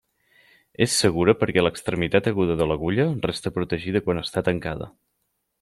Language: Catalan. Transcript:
És segura perquè l'extremitat aguda de l'agulla resta protegida quan està tancada.